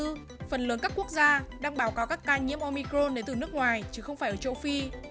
phần lớn các quốc gia đang báo cáo các ca nhiễm omicron đến từ nước ngoài chứ không phải ở châu phi